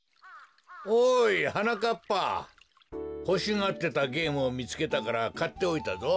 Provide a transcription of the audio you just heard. ほしがってたゲームをみつけたからかっておいたぞ。